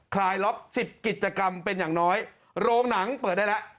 คลายล็อก๑๐กิจกรรมเป็นอย่างน้อยโรงหนังเปิดได้แล้ว